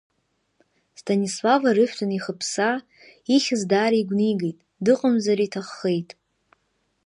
Станислав арыжәтә анихыԥсаа, ихьыз даара игәнигеит, дыҟамзар иҭаххеит.